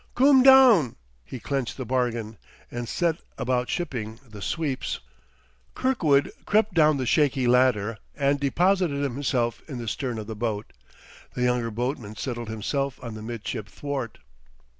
"Coom down," he clenched the bargain; and set about shipping the sweeps. Kirkwood crept down the shaky ladder and deposited himself in the stern of the boat; the younger boatman settled himself on the midship thwart.